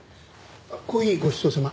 コーヒーごちそうさま。